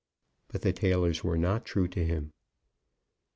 But the tailors were not true to him.